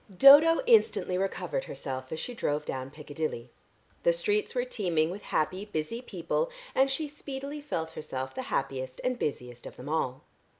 Dodo instantly recovered herself as she drove down Piccadilly. The streets were teeming with happy, busy people, and she speedily felt herself the happiest and busiest of them all.